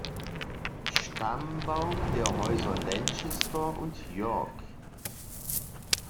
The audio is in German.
Stammbaum der Häuser Lancaster und York